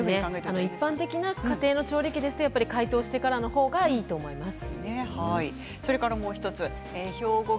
一般的な家庭の調理機でしたら一度解凍してからの方がいいと思います。